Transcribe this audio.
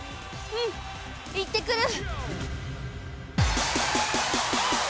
うん行ってくる！